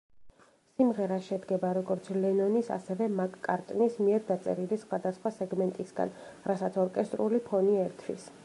სიმღერა შედგება როგორც ლენონის, ასევე მაკ-კარტნის მიერ დაწერილი სხვადასხვა სეგმენტისგან, რასაც ორკესტრული ფონი ერთვის.